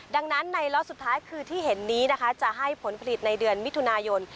ดังนั้นในล็อตสุดท้ายคือที่เห็นนี้นะคะจะให้ผลผลิตในเดือนมิถุนายน